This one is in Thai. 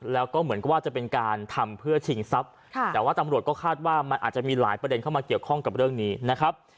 แล้วก็เหมือนกับว่าจะเป็นการทำเพื่อชิงทรัพย์แต่ว่าตำรวจก็คาดว่ามันอาจจะมีหลายประเด็นเข้ามาเกี่ยวข้องกับเรื่องนี้นะครับ